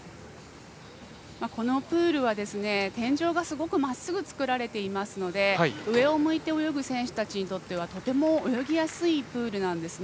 このプールは天井がすごくまっすぐつくられていますので上を向いて泳ぐ選手たちにとってとても泳ぎやすいプールなんです。